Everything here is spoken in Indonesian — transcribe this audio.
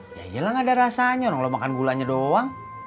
ya enggak ada rasanya yang ya makan gulanya doang